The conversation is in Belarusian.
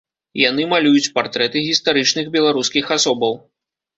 Яны малююць партрэты гістарычных беларускіх асобаў.